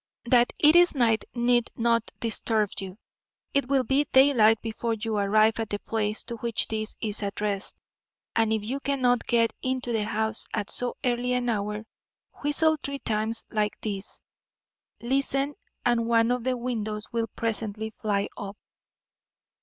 That it is night need not disturb you. It will be daylight before you arrive at the place to which this is addressed, and if you cannot get into the house at so early an hour, whistle three times like this listen and one of the windows will presently fly up.